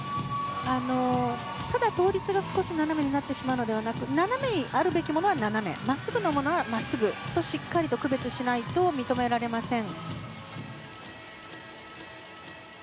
ただ、倒立が少し斜めになってしまうのではなく斜めになるべきものは斜め真っすぐなものは真っすぐとしっかりと区別しないと認められません。